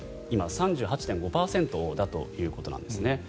今、３８．５％だということなんですね。